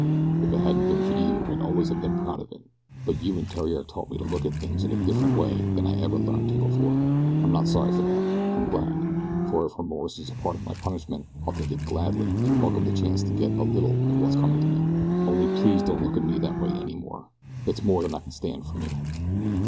If it hadn't been for you I'd always have been proud of it but you and Theriere taught me to look at things in a different way than I ever had learned to before. I'm not sorry for that I'm glad, for if remorse is a part of my punishment I'll take it gladly and welcome the chance to get a little of what's coming to me. Only please don't look at me that way any more it's more than I can stand, from you."